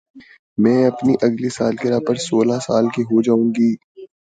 میں اپنی اگلی سالگرہ پر سولہ سال کی ہو جائو گی